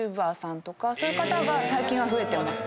そういう方が最近は増えてます。